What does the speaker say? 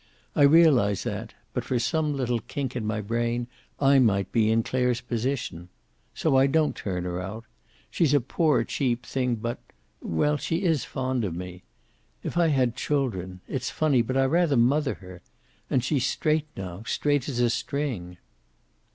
I realize that, but for some little kink in my brain, I might be in Clare's position. So I don't turn her out. She's a poor, cheap thing, but well, she is fond of me. If I had children it's funny, but I rather mother her! And she's straight now, straight as a string!"